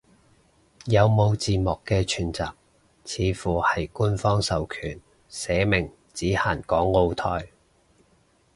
有冇字幕嘅全集，似乎係官方授權，寫明只限港澳台